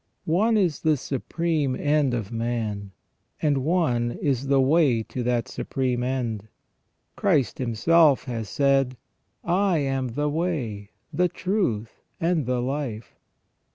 One is the supreme end of man, and one is the way to that supreme end. Christ Himself has said: "I am the way, the truth, and the life".